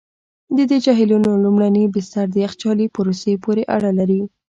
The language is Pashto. د دې جهیلونو لومړني بستر د یخچالي پروسې پورې اړه لري.